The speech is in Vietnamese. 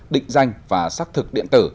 định danh và xác thực điện tử